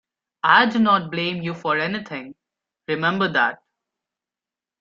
I do not blame you for anything; remember that.